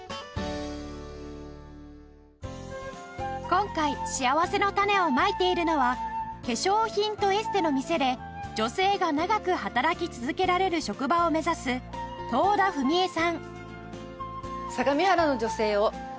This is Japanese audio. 今回しあわせのたねをまいているのは化粧品とエステの店で女性が長く働き続けられる職場を目指す遠田文江さん